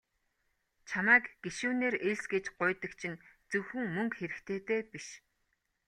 Чамайг гишүүнээр элс гэж гуйдаг чинь зөвхөн мөнгө хэрэгтэйдээ биш.